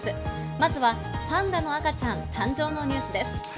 まずはパンダの赤ちゃん誕生のニュースです。